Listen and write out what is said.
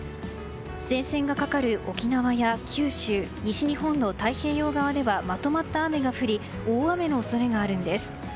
前線がかかる沖縄や九州西日本の太平洋側ではまとまった雨が降り大雨の恐れがあるんです。